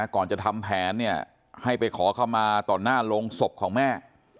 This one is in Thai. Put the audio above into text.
ก่อนจะทำแผนเนี่ยให้ไปขอเข้ามาต่อหน้าโรงศพของแม่